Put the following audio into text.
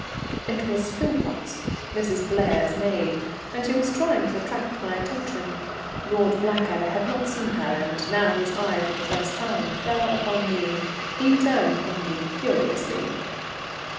It was Philpotts, "Mrs. Blair's" maid, and she was trying to attract my attention. Lord Blackadder had not seen her, and now his eye, for the first time, fell upon me. He turned on me furiously.